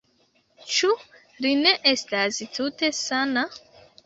Ĉu li ne estas tute sana?